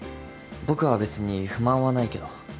僕はべつに不満はないけど。